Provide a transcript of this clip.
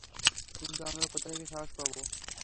কিন্তু আমরা কোথা থেকে সাহস পাব?